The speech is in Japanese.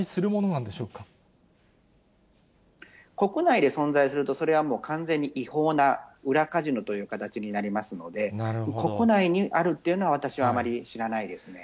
なん国内で存在すると、それはもう完全に違法な裏カジノという形になりますので、国内にあるっていうのは、私はあまり知らないですね。